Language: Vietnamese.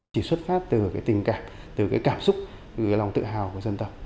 chỉ xuất phát từ cái tình cảm từ cái cảm xúc từ cái lòng tự hào của dân tộc